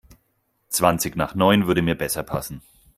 Zwanzig nach neun würde mir besser passen.